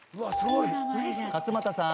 勝又さん